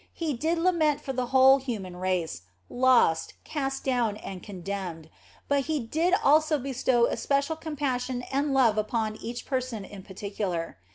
He did lament for the whole human race, lost, cast down and condemned, but He did also bestow especial com passion and love upon each person in particular.